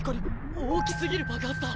大きすぎる爆発だ。